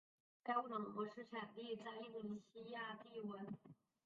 该物种的模式产地在印度尼西亚帝汶。